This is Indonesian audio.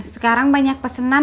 sekarang banyak pesenan